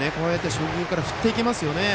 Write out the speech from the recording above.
初球から振っていきますよね。